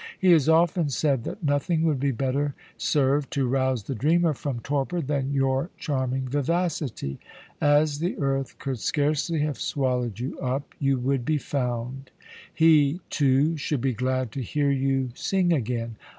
He has often said that nothing would better serve to rouse the dreamer from torpor than your charming vivacity. As the earth could scarcely have swallowed you up, you would be found; he, too, should be glad to hear you sing again.